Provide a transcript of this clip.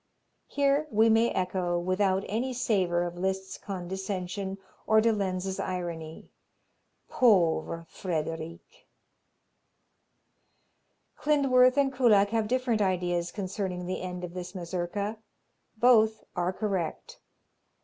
Here we may echo, without any savor of Liszt's condescension or de Lenz's irony: "Pauvre Frederic!" Klindworth and Kullak have different ideas concerning the end of this Mazurka. Both are correct.